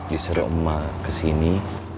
disuruh emak kesini